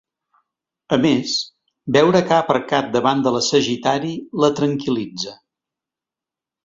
A més, veure que ha aparcat davant de la Sagitari la tranquil·litza.